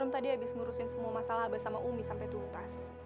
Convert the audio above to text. rum tadi abis ngurusin semua masalah abah sama umi sampe tuntas